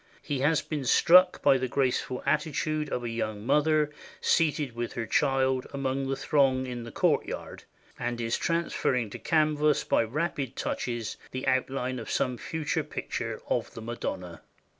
He has been struck by the graceful attitude of a young mother seated with her child among the throng in the courtyard, and is transfer ring to canvas by rapid touches the outline of some future picture of the Madonna.